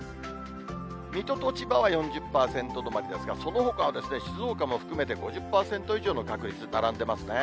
水戸と千葉は４０％止まりですが、そのほかは静岡も含めて５０％以上の確率並んでますね。